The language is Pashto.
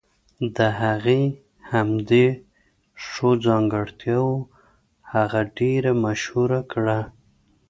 د هغې همدې ښو ځانګرتياوو هغه ډېره مشهوره کړه.